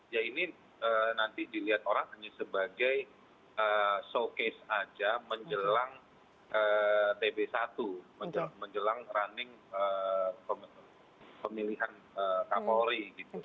ya ini nanti dilihat orang hanya sebagai showcase aja menjelang tb satu menjelang running pemilihan kapolri